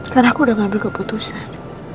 karena aku udah ngambil keputusan